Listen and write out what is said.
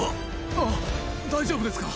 あっ大丈夫ですか？